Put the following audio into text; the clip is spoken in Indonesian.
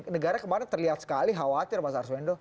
negara kemarin terlihat sekali khawatir mas arswendo